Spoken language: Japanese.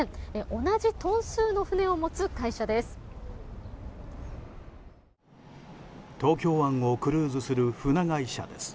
同じトン数の船を持つ会社です。